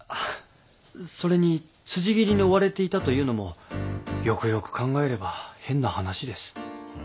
それに辻斬りに追われていたというのもよくよく考えれば変な話です。